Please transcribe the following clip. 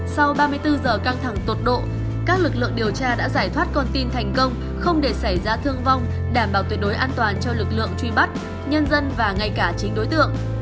sau ba mươi bốn giờ căng thẳng tột độ các lực lượng điều tra đã giải thoát con tin thành công không để xảy ra thương vong đảm bảo tuyệt đối an toàn cho lực lượng truy bắt nhân dân và ngay cả chính đối tượng